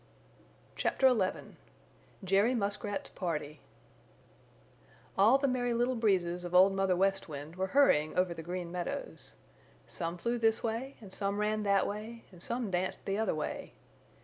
CHAPTER XI JERRY MUSKRAT'S PARTY All the Merry Little Breezes of Old Mother West Wind were hurrying over the Green Meadows. Some flew this way and some ran that way and some danced the other way.